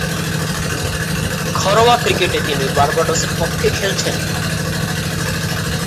ঘরোয়া ক্রিকেটে তিনি বার্বাডোসের পক্ষে খেলছেন।